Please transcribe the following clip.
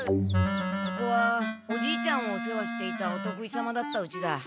ここはおじいちゃんをお世話していたおとくい様だったうちだ。